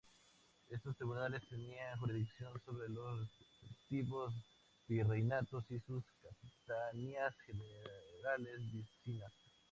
Estos tribunales tenían jurisdicción sobre los respectivos virreinatos y sus capitanías generales vecinas.